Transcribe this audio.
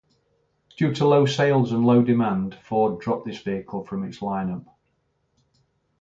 Due to low sales and low demand, Ford dropped this vehicle from its lineup.